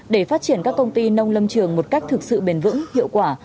để phát triển các công ty nông lâm trường một cách thực sự bền vững hiệu quả